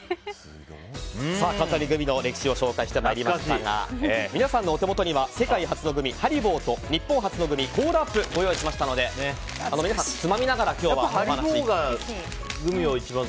簡単にグミの歴史を紹介してまいりましたが皆さんのお手元には世界初のグミ、ＨＡＲＩＢＯと日本初のグミ、コーラアップをご用意しましたのでつまみながら今日はお話を。